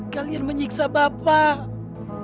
kalian menyiksa bapak